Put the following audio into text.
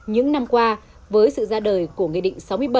những năm qua với sự ra đời của nghị định sáu mươi bảy